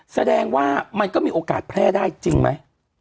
แสดงว่ามันก็มีโอกาสแพร่ได้จริงไหม